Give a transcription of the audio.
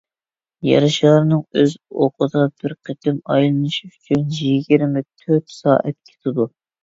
يەر شارىنىڭ ئۆز ئوقىدا بىر قېتىم ئايلىنىشى ئۈچۈن يىگىرمە تۆت سائەت كېتىدۇ.